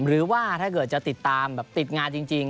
หรือว่าถ้าเกิดจะติดตามแบบติดงานจริง